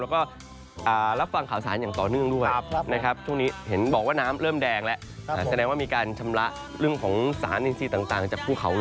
ก็ต้องระวังเหมือนกันครับ